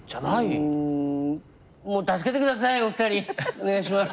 お願いします。